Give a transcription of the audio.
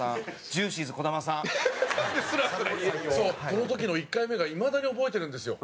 この時の１回目がいまだに覚えてるんですよ。